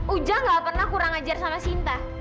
ujang gak pernah kurang ajar sama sinta